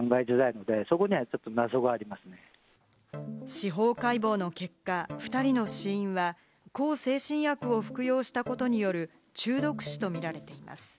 司法解剖の結果、２人の死因は、向精神薬を服用したことによる中毒死とみられています。